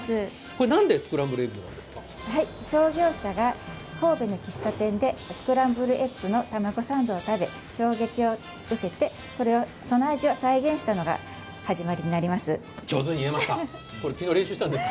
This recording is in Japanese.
創業者が神戸の喫茶店でスクランブルエッグの卵サンドを食べて、衝撃を受けてその味を再現したのが始まりになります。